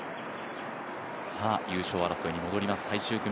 優勝争いに戻ります、最終組。